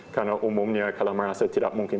karena umumnya kalau merasa tidak mungkin